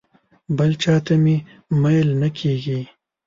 بل چاته مې میل نه کېږي.